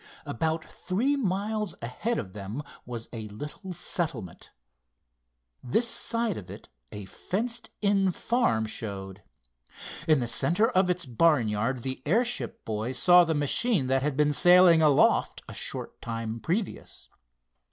About three miles ahead of them was a little settlement. This side of it a fenced in farm showed. In the center of its barnyard the airship boys saw the machine that had been sailing aloft a short time previous.